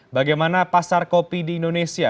bagaimana pasar kopi di indonesia